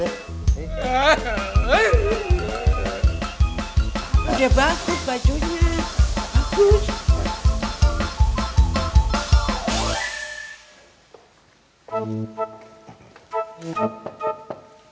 udah bagus bajunya bagus